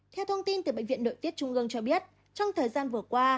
theo thông tin từ bệnh viện nội tiết trung ương cho biết trong thời gian vừa qua